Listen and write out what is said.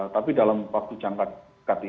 tapi dalam waktu jangka dekat ini